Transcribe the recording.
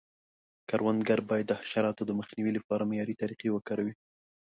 کروندګر باید د حشراتو د مخنیوي لپاره معیاري طریقې وکاروي.